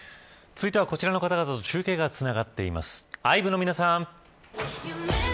続いてはこちらの方々と中継がつながっています。